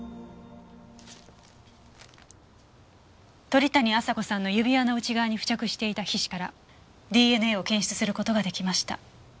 鳥谷亜沙子さんの指輪の内側に付着していた皮脂からＤＮＡを検出する事ができました。